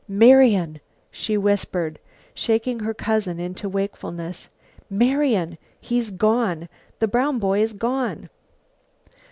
"Marian," she whispered, shaking her cousin into wakefulness. "Marian! He's gone. The brown boy's gone!"